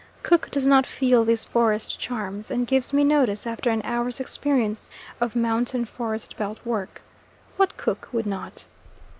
Cook does not feel these forest charms, and gives me notice after an hour's experience of mountain forest belt work; what cook would not?